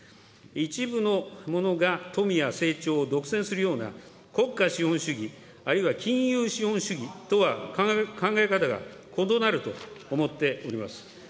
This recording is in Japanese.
一部の者が富や成長を独占するような、国家資本主義、あるいは金融資本主義とは考え方が異なると思っております。